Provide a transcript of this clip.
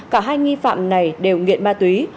cả hai nghi phạm này đều nghiện ma túy